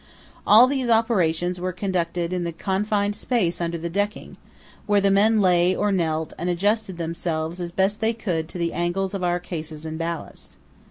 All these operations were conducted in the confined space under the decking, where the men lay or knelt and adjusted themselves as best they could to the angles of our cases and ballast.